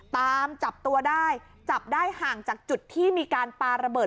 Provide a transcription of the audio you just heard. ตามจับตัวได้จับได้ห่างจากจุดที่มีการปาระเบิด